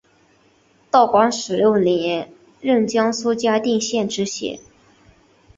道光十六年任江苏嘉定县知县。